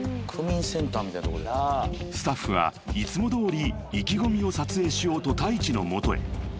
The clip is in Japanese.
［スタッフはいつもどおり意気込みを撮影しようとＴａｉｃｈｉの元へ］